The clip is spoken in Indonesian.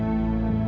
aku mau pergi